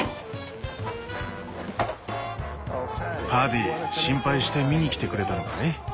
パディ心配して見に来てくれたのかい？